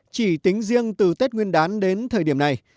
chỉ tính riêng từ tết nguyên đán đến thời điểm này